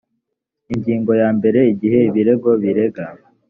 ingingo ya mbere igihe ibirego biregera